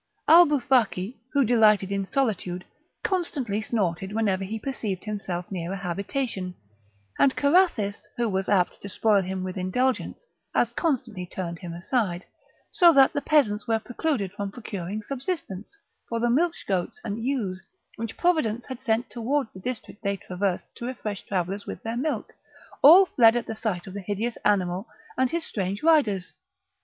Alboufaki, who delighted in solitude, constantly snorted whenever he perceived himself near a habitation; and Carathis, who was apt to spoil him with indulgence, as constantly turned him aside, so that the peasants were precluded from procuring subsistence; for the milch goats and ewes, which Providence had sent towards the district they traversed, to refresh travellers with their milk, all fled at the sight of the hideous animal and his strange riders.